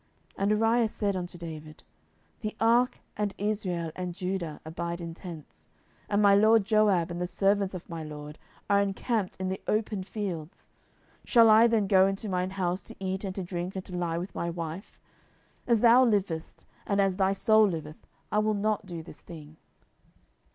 10:011:011 And Uriah said unto David, The ark, and Israel, and Judah, abide in tents; and my lord Joab, and the servants of my lord, are encamped in the open fields; shall I then go into mine house, to eat and to drink, and to lie with my wife? as thou livest, and as thy soul liveth, I will not do this thing.